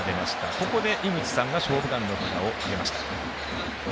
ここで井口さんが「勝負眼」の札を挙げました。